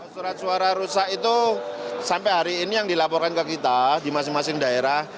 surat suara rusak itu sampai hari ini yang dilaporkan ke kita di masing masing daerah